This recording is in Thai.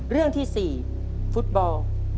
เรื่องที่๔ฟุตบอล